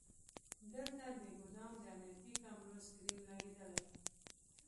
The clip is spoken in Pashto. دلته د ګودام د امنیتي کامرو سکرین لګیدلی.